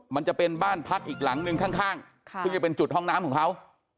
มันจะเป็นบ้านพักอีกหลังนึงข้างซึ่งจะเป็นจุดห้องน้ำของเขา